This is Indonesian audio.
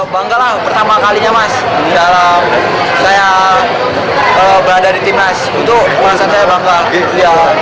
bangga lah pertama kalinya mas di dalam saya berada di timnas untuk merasa saya bangga